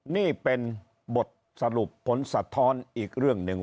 นี่เป็นบทสรุปผลสะท้อนอีกเรื่องหนึ่ง